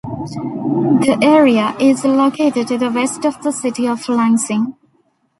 The area is located to the west of the city of Lansing.